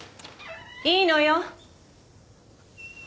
いいのよ。